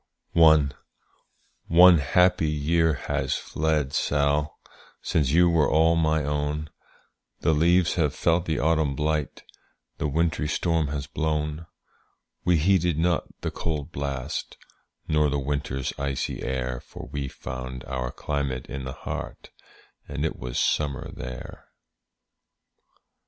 One happy year has fled, Sall, Since you were all my own, The leaves have felt the autumn blight, The wintry storm has blown. We heeded not the cold blast, Nor the winter's icy air; For we found our climate in the heart, And it was summer there. II.